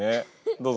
どうぞ。